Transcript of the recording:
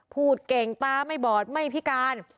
พูดเก่งตาไม่บอดไม่พิการ